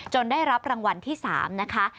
ได้รับรางวัลที่๓นะคะ